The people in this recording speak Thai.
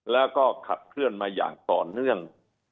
แล้วก็ขับเคลื่อนมาอย่างต่อเนื่อง